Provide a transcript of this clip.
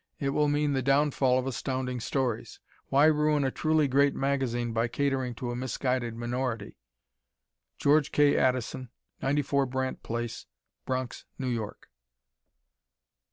it will mean the downfall of Astounding Stories. Why ruin a truly great magazine by catering to a misguided minority? George K. Addison, 94 Brandt Place, Bronx, New York.